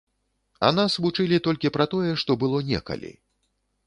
А нас вучылі толькі пра тое, што было некалі.